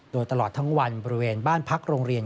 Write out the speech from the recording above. โดยตลอดทั้งวันบริเวณบ้านพักโรงเรียน